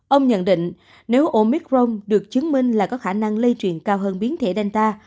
ông nhận định nếu omicron được chứng minh là có khả năng lây truyền cao hơn biến thể danta